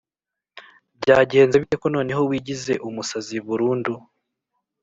Byagenze bite ko noneho wigize umusazi burundu